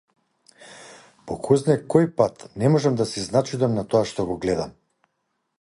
По којзнае кој пат не можам да се изначудам на тоа што го гледам.